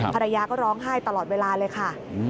ภรรยาก็ร้องไห้ตลอดเวลาเลยค่ะ